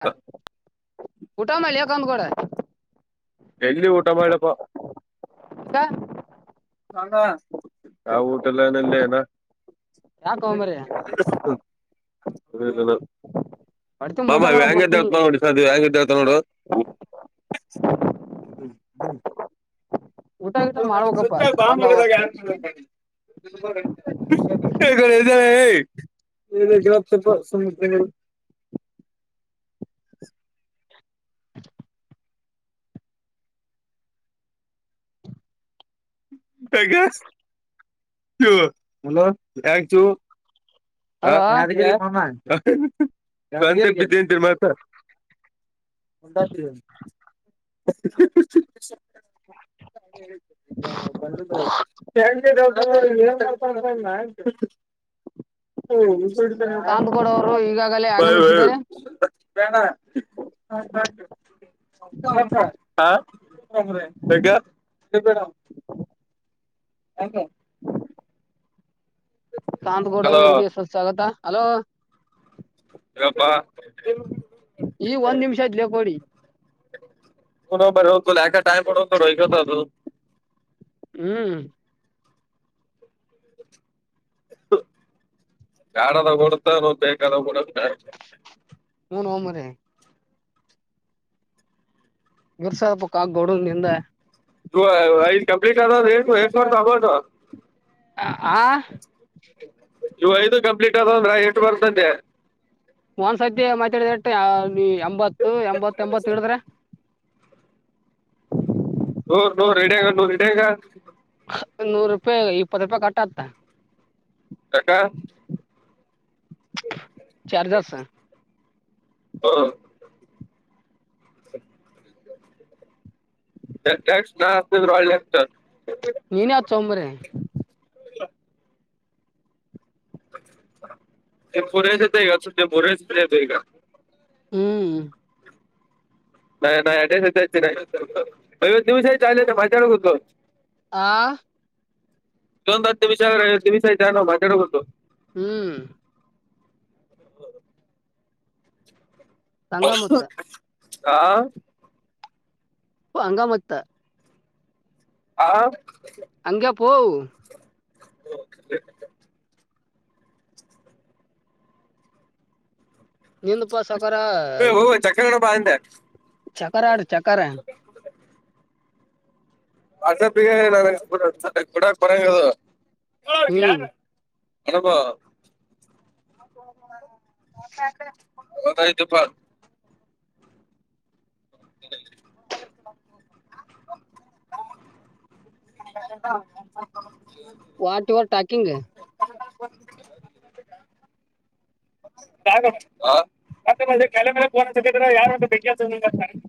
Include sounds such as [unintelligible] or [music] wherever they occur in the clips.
ಹಾ ಊಟ ಮಾಡ್ಲೆ ಕಾಮ್ಗೋಡ ಎಲ್ಲಿ ಊಟ ಮಾಡೆಪ್ಪ ಯಾಕ ಆಾವ ಊಟಲ್ಲನಲ್ಲ ನ ಯಾಕೋ ಮಾರಾಯ ಹ ಹೊಟ್ತಿಂಬ ಊಟ ಮಾಾಮಾ ಮಾಡಕ್ ವ್ಯಾಂಗ ಬರ್ತೀನಿ ದೇವತಾನೋಡಿ ಸ ಅ ವ್ಯಾಂಗ ದೇವತಾನೋಡ ಹ ಹ್ಮ ಹ್ಮ ಊಟ ಗೀಟ ಅದ ಮಾಡ್ಬೇಕಪ್ಪ ಸ್ವಚ್ ಬಾಂಬುಿದಾಗ ಬಂದೋಬಸ್ತ್ ಯನ್ ಮಾಡಿ ಹಗಡೆ ಎಏಲ್ಲ ಗ್ರಾಪ್ಸಭಾ ಸಮುುದ್ರಗಳು ಚ ಮಲ ಯ ಚು ಹಾ ಹಲೋ ಯಾದ್ಗೀರಿ ಮಾಮ [unintelligible] ಉಂಡಾತ್ರಿ [unintelligible] ಹಾ ಬಂದಿದ್ರ [unintelligible] ಕಾಂತಗೌಡ ಅವರು [unintelligible] ಈಗಾಗಲೇ ಆಗಮಿಸಿದ್ದಾರೆ [unintelligible] [unintelligible] ಹಾ [unintelligible] ಯಾಕ ಹಲೋ, ಕಾಂತಗೌಡರವರಿಗೆ ಸುಸ್ವಾಗತ ಹಲೋ ಯಪ್ಪ ಈಗ ಒಂದ್ ನಿಮಿಷ ಆತ್ಲೆ ಪೋಡಿ [unintelligible] ಹ್ಮ್ [unintelligible] ಹೂ ನೋ ಮರಾಯ [unintelligible] [unintelligible] ಆ ಇವು ಐದು ಕಂಪ್ಲೀಟ್ ಆದ ಅಂದ್ರ ಎಷ್ಟು ಬರ್ತೈತೆ ಒಂದ್ಸತಿ ಮಾತಾಡಿದಟ್ಟ ನೀ ಎಂಬತ್ತು ಎಂಬತ್ತ ಎಂಬತ್ತು ಹಿಡುದ್ರೆ [unintelligible] ನೂರು ರೂಪಾಯಿಗಾ ಇಪ್ಪತ್ತು ರೂಪಾಯಿ ಕಟ್ಟತ್ತ ಕಾಕ ಚಾರ್ಜಸ್ ಹಾ [inaudible] [unintelligible] ಒಳ್ಳಿತ್ತ ನೀನೇ ಅದ್ ತೊಂಬರ್ರೀ [unintelligible] ಹ್ಮ್ [unintelligible] ಆ [unintelligible] ಹ್ಮ್ [inaudible] ಸಂಗಮತ್ತ ಆ ಹಂಗ ಮತ್ತ ಹಾ ಹಂಗೆಪ್ಪೋ ಹ [inaudible] ನಂದುಪ್ಪ ಸಕಾರರ ಏ ಈ ಹೋಗು ಚಕ್ಕಗಣ ಬಾ ಅಂದೆ ಚಕ್ಕರ ಆಡು ಚಕ್ಕರ [inaudible] ವಾಟ್ಸಪ್ಪಿಗೆ ನನಗ್ [unintelligible] ಬಿಡಕ್ ಬರಂಗದು ಹ್ಮ್ ಏನಪ್ಪಾ ಗೊತ್ತಾಯಿತು ಪಾ [unintelligible] [inaudible] ವಾಟ್ ಯುವರ್ ಟಾಕಿಂಗ್ [unintelligible] ಹಾಗ ಮತ್ತೆ ಮೆ ಕ ಮೇಲೆೋಸಿದ್ರ ಯಾರ ಒಂದು ಬೆಿತ [unintelligible]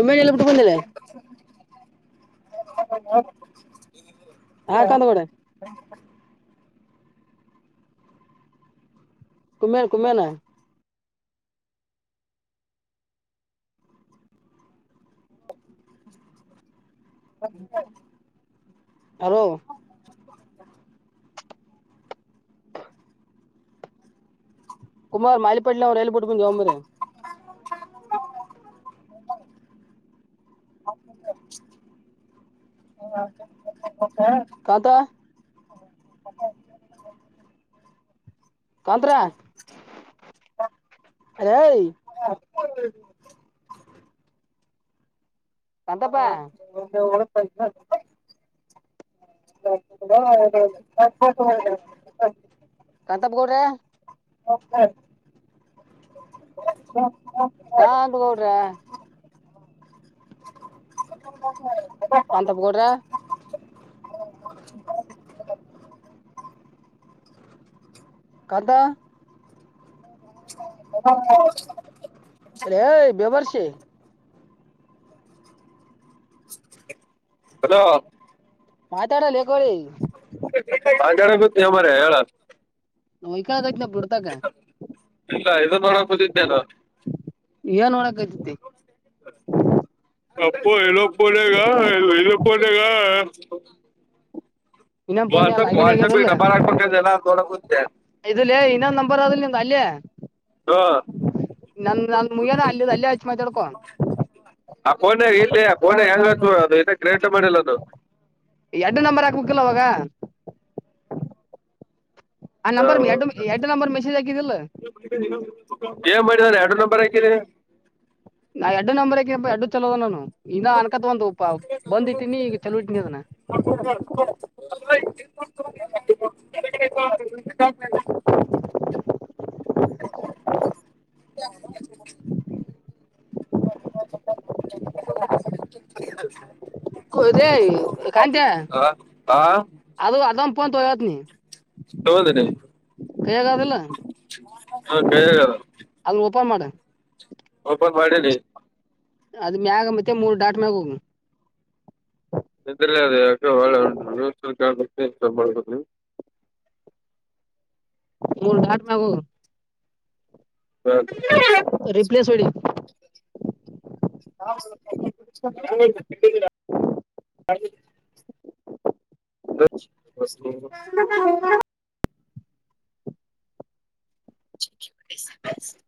ಒಮ್ಮ ಎಲ್ಲ ಹೌ [unintelligible] [inaudible] ಹಾ ಕಂದುಗಡೆ ಕಮ ಕುಮೇನಾ [inaudible] ಹ ಹೋ [unintelligible] ಹ ಕುಮಾರ್ ಮಾಲಿಿಪಟ್ಟಲಿ ಅವ್ ಹೇಳ್ಬ ಬಿಟ್ಟು ಬಂದ್ ಒಂಬ್ರೆ [unintelligible] ಕಾಂತ ಹ ಕಂತ್ರ ಅರ ಕಾಂತಪ್ಪ ಹಾಳಪ ಇಲ್ಲ [inaudible] [inaudible] ಕಂತಪ್ಗೌ್ರ ಹ ಹ ಹಾ ಅಂಗ ಹಡ್ರ ಕಂತಪಗೂಡರ ಹ ಕದ ಹ ಬೇವಾರಸ ಹಲೋ ಮಾತಾಡಲ್ಲಕಳ ಹಾಗಾರ ಗೊತ್ತ ಮರ ಹೇಳತ್ ನಯಕೈತ್ ಬಿಡ್ತಕ ಇಲ್ಲ ಇದ ಮಾಡಾಕಕುದಿದ್ದೇಾನ ಏನ್ ಒಡಕತಿತಿ ಅಪ್ಪೋ ನ ಪಣಗ ಇಲ್ಲ ಪಣಗ ಇನ್ನೊಂದ್ ಫೋನ್ ವಾಟ್ಪ ಲಾಗಿನ್ ವಾಟ್ಸ್ಪ ಡಬಬೇಕ ಎಲ್ಲ ೋಡಕ ಇದಲ್ಲ ಇನ್ನೊ್ ನಂಬರ್ ಆದಲ್ಲಿಂದ ಅಲ್ಲಯ ಹಾ ನನ್ ನನ್ ಮುಯ್ಯನ ಅಲ್ಲಿ ಅಲ್ಲೇ ಹಚ್ಚಿ ಮಾತಾಡ್ಕೊ ಆ ಫೋನ ಇಲ್ಲಿ ಫೋನ ಹೆಂಗ ಅದು ಇ ಕ್ರೇಟ ಮಾಡಿಲ್ಲ ಅದು ಎರಡು ನಂಬರ್ ಹಾಕ್ಬೇಕಕ್ಕಿಲ್ಲ ಅವಾಗ ಆ ಹಾ ನಂಬರ್ ಎರಡು ಎರಡು ನಂಬರ್ ಮೆಸೇಜ್ ಹಾಕಿದಿಲ್ಲ ಏನ್ ಮಾಡಿದಿದ್ದಾರೆ ಎರಡು ನಂಬರ್ ಹಾಕಿರಿ ನಾ ಎಡ್ಡು ನಂಬರ್ಕ್ ಎರಡು ಚಲೋದ ನಾನು ಇನ್ನ ಅನ್ಕತ್ ಒಂದು ಬಂದ್ಿಟ್ಟಿನಿ ಈಗ ಚಲಟ್ಟಿನಿ ಅದನ ಯ ಹ ರ ಕತ್ಯ ಆ ಆ ಅದು ಅದ ಪಂತ ವವತ ನೀ ಷ್ಟಗಂದಿ ಹೇಗ ಅದಿಲ್ಲ ಹ ಕ ಅಲ್ ಓಪನ್ ಮಾಡ ಓಪನ್ ಮಾಡಿ ಅದ್ ಮ್ಯಾಗ ಮತ್ತೆ ಮೂರ್ ದಡಾಟ ಮ್ಯಾಗ ಹೋಗ ಇದಲ್ಲ ಅ ಯಾಕೆಾಳೆ ಉಂ ಸ್ವಲ್ ಮಾಡಬ ಮೂರು ಾಟ ಮಾಗು ರಿಪ್ಲೇಸ್ ಹೊಡಿ [unintelligible] ಹ [unintelligible] [unintelligible]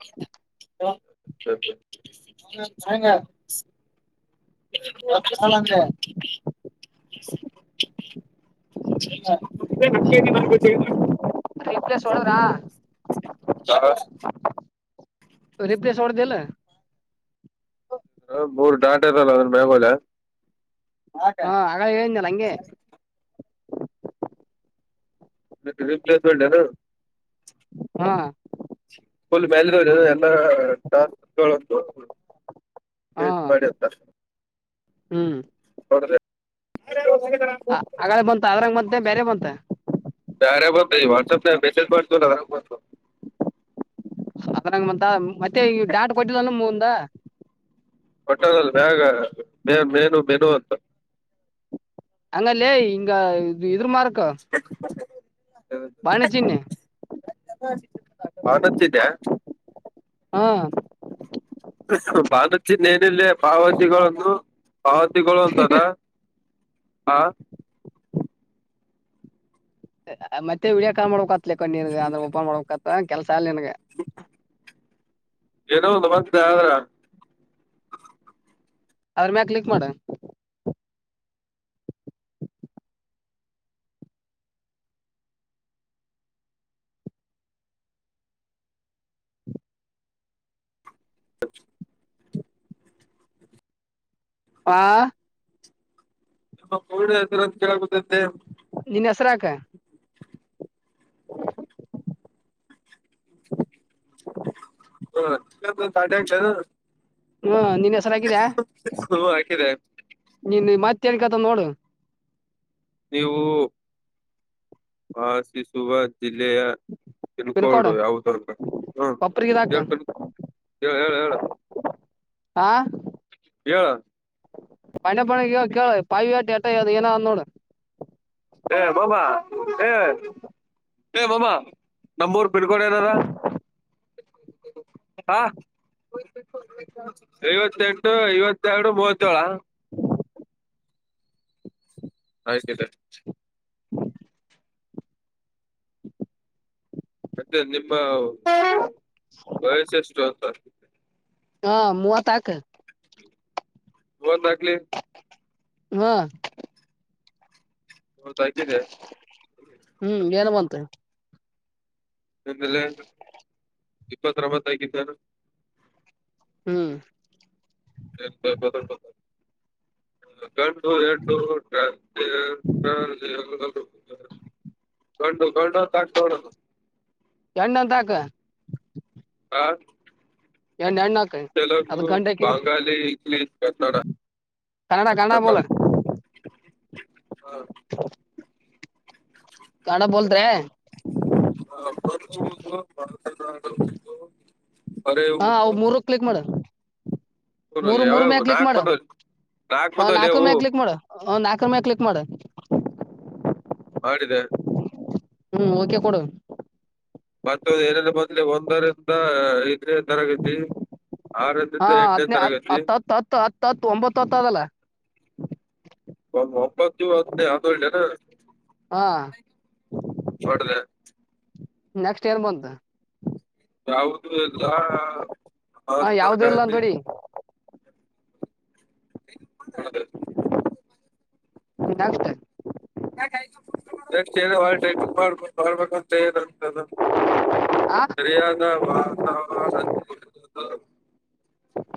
ಹ ಅಲಂತ [unintelligible] ನಗೆ ರಿಪ್ಲೇಸ್ ಹಳ್ರಾ ಯ ರರಿಪ್್ಲೆಸ್ ರ್ಡರ್ ದಲ್ಲ ಬೋರ್ ಡಾಟರಲ್ಲ ಅದನ್ನ ಬೇಗಲೆ ಹಾ ಆಗ ಏನಲ್ಲ ಹಂಗೆ ಮ ರೀಪ್ಲೆೇಸ್ಮೆಂಟ್ ನು ಹಾ ಸ್ಲ್ ಮಲ್ ಎಲ್ಲ ಬ ಹಾ ಬತ್ತ ಹ್ಮ್ ನೋಡ್ರಿ ಆಳ ಬಂತ ಅದ್ರಂಗ ಮದೆ ಬೇರೆ ಬಂತ ಯಾರೆ ಬ ವಾಟ್ಸಪ ಮೆಸಜ ಮಾಡತ ಕೊ ಅದ್ರಂಗ ಮಂತ ಮತ್ತೆ ಈ ಡಾಟ್ ಕೊಟ್ಟಿಲ್ಲಲ್ಲ ಮುಂದ ಹೊಟ್ಟಲ್ಲ್ಲಿ ಬೇಗ ಮೇ ಮೇನು ಮೇನು ಅಂತ ಅಂಗಲ್ಲೇ ಇಂಗ ಇ ಎ್ರ ಮಾರ್ಕ ಬಾಣಿಜೀಿನ ಹದಿದ್ದ್ಯಾ ಹಾ ಬಾನಚಿನ್ೇನಿಲ್ಲ ಪಾವತಿಿಗಳನ್ನು ಆ ತಗೊಳ್ಳುವಂತದ ಹ ಮತ್ತೆ ಹಳಿಯ ಕಾಲ್ ಮಾಡ್ಕತ್ಕ್ಕೊಂಡನ್ಗ ಅಂದ್ರೆ ಓಪನ್ ಮಾಡ್ತ್ ಕೆಲ್ಸ ಅಲ್ ನನ್ಗ ಏನೋ ಒಂದು ಮತ್ತ ಆದ್ರ ಅದ್ರ ಮ್ಯ ಕ್ಲಿಕ್ ಮಾಡ [unintelligible] ಆಾ ಮ್ಮ ಕೋಡ್ರಂತ ಕೇಳ ನಿಿನಸರಕ ಹ ಪಾಟ್ಯಾ ಹಾ ನೀನ್ ಹೆಸರಗಿದ್ಯಾ ಹಾಕಿದೆ ನಿನ್ ಮತ್ತೆ ಂಡ ಕತ ನೋಡು ನೀವು ವಾಸಿಸುವ ಜಿಲ್ಲೆಯ ಪಿನ್ ಕೋಡ್ ತಿನ್ಕಡು ಯಾವದಲ್ ಹ ಕೊಪ್ರಿಗಿ ಇದಾಕ ಹೇಳ್ತ ಹೇಳ ಹೇಳ ಹೇಳ ಆಾ ಯ ಪಣ ಪಣ ಕೇಳ ಪಾಯ ವಟಿ ಎಟದು ಏನ ಅ ನೋಡು ಹಏ ಬಬಾ ಏ ಮಮ್ಮ ನಮ್ಮೂರ್ ಬಿಡ್ಕೋೊಂಡ ನದ [unintelligible] ಹಾ ಐವತ್ತೆಂಟು ಇವತ್ತೆರಡು ಮೂವತ್ತೇಳ ಹ ಆಯ್ತಾಯ್ತ [inaudible] ಮತ್ತೆ ನಿಮ್ಮ ವಯಸ ಎಷ್ಟು ಅಂತ ಹಾ ಮೂವತ್ತು ಆಹ್ಕ ಒಂದ ಹಾಕ್ಲಿ ಹ್ಮ [inaudible] ಮೂವತ್ತಾಗಿದೆ ಹ್ಮ್ ಏನ ಮಂತೆ ಆೇಲೆ ಇಪ್ಪತ್ತಂಬತ್ತಕಿದ್ದಾನು ಹ್ಮ್ ಎ ಎಟ [unintelligible] ಗಂಡು ಗಂಡು ಹಾಕ್ತವ್ರಲ್ಲ ಹೆಣ್ಣು ಅಂತ ಹಾಕು ಎಣ್ಣ ಎಣ್ಣ ಹಾಕ ಅದ ತೆಲುಗು ಗಂಟೆ ಹಾಕಿದಿ ಬಂಗಾಾಲಿ ಇಂಗ್ಲಿಷ್ ಕನ್ನಡ ಕನ್ನಡ ಕನ್ನಡ ಬೋಲ ಹಾ ಕನ್ನಡ ಬೋಲ್ತ್ ಹ ಹಾ ಅವ ಮೂರು ಕ್ಲಿಕ್ ಮಾಡ ಮೂರು ಮೂರು ಮೆಲೆ ಯಾವ್ಯಾವ ಕ್ಲಿಕ್ ನಾಲ್ಕ್ ಮಾಡ ಬಂದವ್ ನಾಲ್ಕ್ ಹ್ ಬಂದವ್ಲೆ ನಾಲ್ಕು ಅವು ಮೇಲೆ ಕ್ಲಿಕ್ ಮಾಡ ನಾಲ್ಕು ಮೇಲೆ ಕ್ಲಿಕ್ ಮಾಡ ಮಾಡಿದ್ದೆ ಹ್ಮ್ ಓಕೆ ಕೊಡ ಮತ್ತೊ ಏನಲ್ಲ ಮೊದ್ಲಿ ಒಂದರಿಂದ ಐದನೇ ತರಗತಿ ಹಾ ಆರರಿಂದ ಎಂಟನೇ ಹತ್ನ ಹತ್ತ ತರಗತಿ ಹತ್ತ ಹತ್ತು ಹತ್ತ ಹತ್ತು ಒಂಬತ್ತು ಹತ್ತದಲ್ಲ ಒ ಒಂಬತ್ತು ಹತ್ತು ಯತ ಹಾ ಹೋಡದ ನೆಕ್ಸ್ಟ್ ಇಯರ್ ಬಂತ ಯವುದು ಎಲ್ಲ ಯಾವ್ದು ಹ ಇಲ್ಲ ಅಂತ ನೋಡಿ ಹೌದು ನಸ್ಟ ಹೊಬೇಕ ಮಾಡಬೇಕ ಅಂತ [unintelligible] ಸರಿಯಾದ ವಾಸ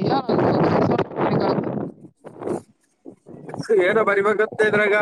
ಯ ಅ ಏನ ಬರಿವ ಗತ್ತ ಇದ್ರಾಗ